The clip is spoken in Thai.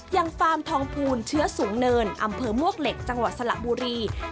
ฟาร์มทองภูลเชื้อสูงเนินอำเภอมวกเหล็กจังหวัดสระบุรี